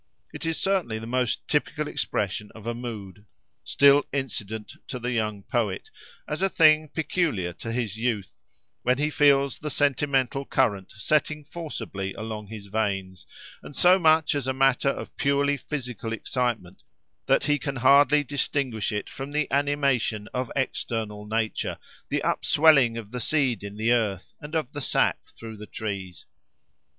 It is certainly the most typical expression of a mood, still incident to the young poet, as a thing peculiar to his youth, when he feels the sentimental current setting forcibly along his veins, and so much as a matter of purely physical excitement, that he can hardly distinguish it from the animation of external nature, the upswelling of the seed in the earth, and of the sap through the trees.